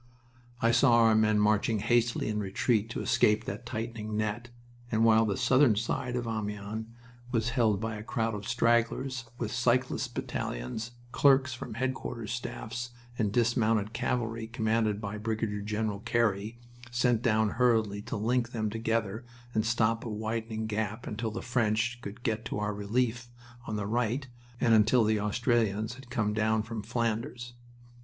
I saw our men marching hastily in retreat to escape that tightening net, and while the southern side of Amiens was held by a crowd of stragglers with cyclist battalions, clerks from headquarters staffs, and dismounted cavalry, commanded by Brigadier General Carey, sent down hurriedly to link them together and stop a widening gap until the French could get to our relief on the right and until the Australians had come down from Flanders.